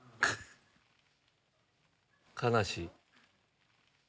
悲しい。